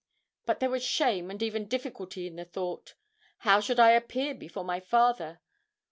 But there was shame and even difficulty in the thought. How should I appear before my father?